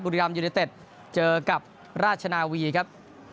ริรามยูเนเต็ดเจอกับราชนาวีครับ